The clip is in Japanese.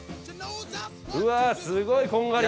うわぁすごいこんがり。